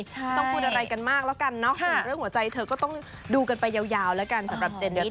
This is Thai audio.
ต้องพูดอะไรกันมากแล้วกันเนาะส่วนเรื่องหัวใจเธอก็ต้องดูกันไปยาวแล้วกันสำหรับเจนเดลลี